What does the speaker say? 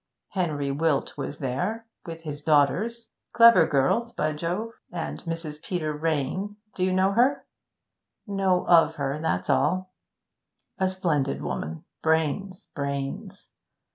Henry Wilt was there with his daughters. Clever girls, by Jove! And Mrs. Peter Rayne do you know her?' 'Know of her, that's all.' 'A splendid woman brains, brains!